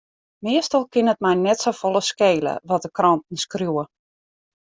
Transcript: Meastal kin it my net safolle skele wat de kranten skriuwe.